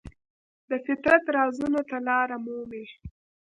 د فطرت رازونو ته لاره مومي.